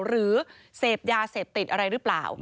หรือเสพยาเสพติดอะไรหรือเปล่า